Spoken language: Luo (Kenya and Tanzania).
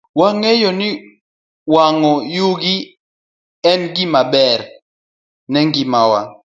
Wang'eyo ni wang'o yugi en gima ber ne ngimawa.